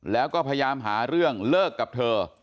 แล้วก็พยายามหาเรื่องเลิกกับเธอ